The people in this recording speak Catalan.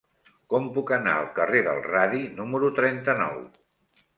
Com puc anar al carrer del Radi número trenta-nou?